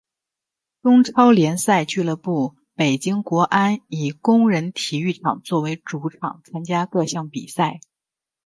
中超联赛俱乐部北京国安以工人体育场作为主场参加各项比赛。